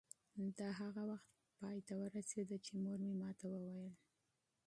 دا هغه وخت پای ته ورسېده چې مور مې ما ته وویل.